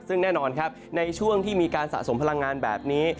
ซึ่งแน่นอนครับในช่วงที่มีการสะสมพลังงานแบบนี้